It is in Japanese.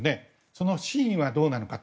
その真意はどうなのか